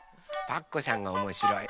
パクこさんがおもしろい。